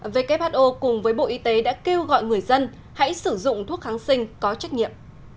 who cùng với bộ y tế đã kêu gọi người dân hãy sử dụng thuốc kháng sinh có trách nhiệm